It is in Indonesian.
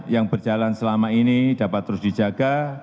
yang berjalan selama ini dapat terus dijaga